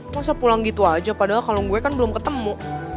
masa pulang gitu aja padahal kalau gue kan belum ketemu